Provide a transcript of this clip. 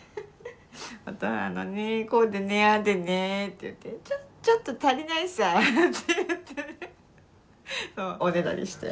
「おとんあのねこうでねああでね」って言って「ちょっと足りないさ」って言ってねおねだりして。